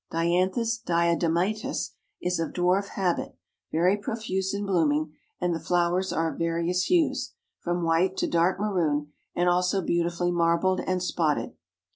Dianthus Diadematus is of dwarf habit, very profuse in blooming, and the flowers are of various hues, from white to dark maroon, and also beautifully marbled and spotted.